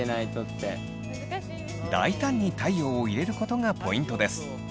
大胆に太陽を入れることがポイントです。